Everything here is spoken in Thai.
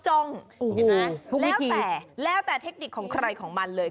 เห็นมั้ยแล้วแต่เทคนิคของใครของมันเลย